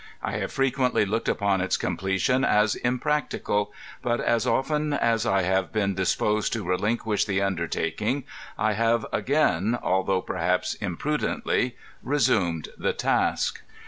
I have frequently looked upon its completion as impracticable, but as often as I have been disposed to relinquish the undertaking, I have again — although perhaps imprudently — ^resumed the task.